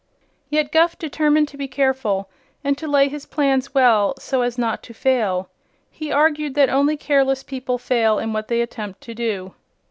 Yet Guph determined to be careful, and to lay his plans well, so as not to fail. He argued that only careless people fail in what they attempt to do.